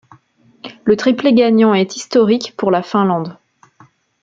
Le triplé gagnant est historique pour la Finlande.